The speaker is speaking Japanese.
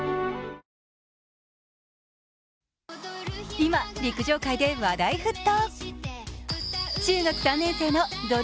今、陸上界で話題沸騰。